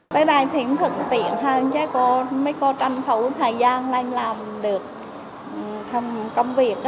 tại đây thì thật tiện hơn mấy cô tranh khấu thời gian làm được công việc